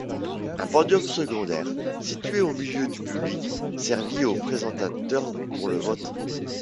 Un podium secondaire, situé au milieu du public, servit aux présentateurs pour le vote.